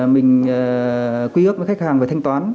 mình quy ước với khách hàng về thanh toán